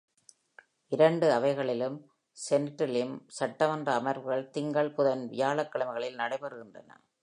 இரண்டு அவைகளிலும் செனட்டிலும் சட்டமன்ற அமர்வுகள் திங்கள், புதன், வியாழக் கிழமைகளில் நடைபெறுகின்றன.